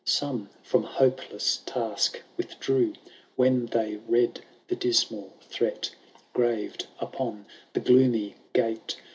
Some from hopeless task withdrew, When they read the dismal threat Grayed upon the gloomy gate.